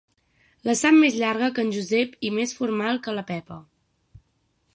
La sap més llarga que en Josep i més formal que la Pepa.